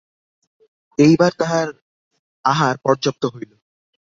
এইবার তাঁহার আহার পর্যাপ্ত হইল।